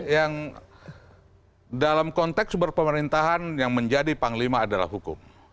yang dalam konteks berpemerintahan yang menjadi panglima adalah hukum